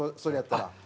それやったら。